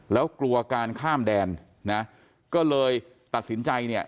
แล้วกลัวการข้ามแดนนะก็เลยตัดสินใจเนี่ย